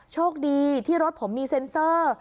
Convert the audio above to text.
โชคดีที่รถผมมีเซ็นเซอร์